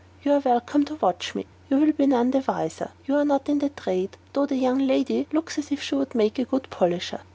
You are welcome to watch me; you will be none the wiser; you are not in the trade, though the young lady looks as if she would make a good polisher.